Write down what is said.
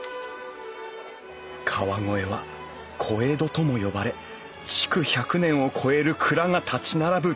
川越は小江戸とも呼ばれ築１００年を超える蔵が立ち並ぶ